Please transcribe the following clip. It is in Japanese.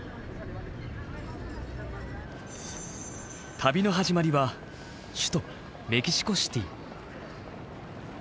旅の始まりは首都メキシコシティ。